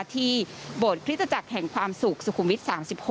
ที่โบสถ์คริสตจักรแห่งความสุขสุขุมวิท๓๖